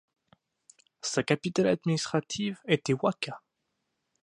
Sa capitale administrative était Waka.